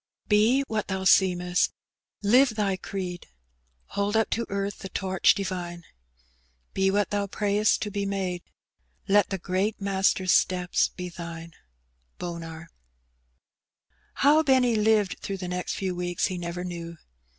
Bo nbat (hoa seemeBb; live tbj creed. Hold Dp to earth the torch divine ; Be what thou prayest to be made; Let the great Master'a ateps be thine. OW Benny lived through the next few ""'weeks lie never knew.